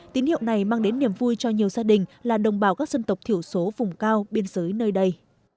tín hiệu này mang đến niềm vui cho nhiều gia đình là đồng bào các dân tộc thiểu số vùng cao biên giới nơi đây